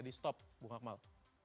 di stop bung akmal